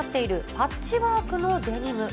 パッチワークのデニム。